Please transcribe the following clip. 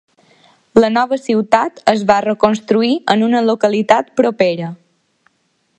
La nova ciutat es va reconstruir en una localitat propera.